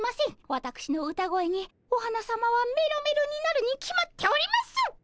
わたくしの歌声にお花さまはメロメロになるに決まっております！